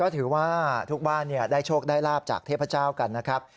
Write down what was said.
ถือว่าทุกบ้านได้โชคได้ลาบจากเทพเจ้ากันนะครับ